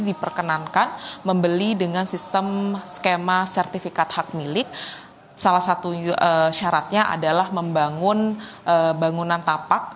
diperkenankan membeli dengan sistem skema sertifikat hak milik salah satu syaratnya adalah membangun bangunan tapak